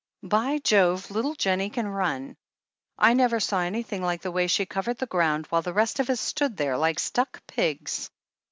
By Jove, little Jennie can run ! I never saw an)rthing like the way she covered the groimd, while the rest of us stood there like stuck pigs."